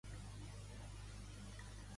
Quin paper va desenvolupar dins de Vox?